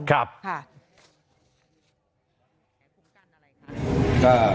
ครับค่ะ